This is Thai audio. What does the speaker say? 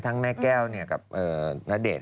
ทั้งแม่แก้วเนี่ยกับณเดชน์